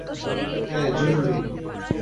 হ্যাঁ, জরুরি।